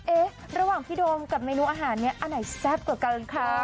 เอ๊ะระหว่างพี่โดมกับเมนูอาหารเนี่ยอันไหนแซ่บกว่ากันคะ